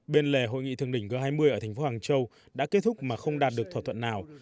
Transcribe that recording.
bên lề hội nghị thượng đỉnh g hai mươi ở thành phố hàng châu đã kết thúc mà không đạt được thỏa thuận nào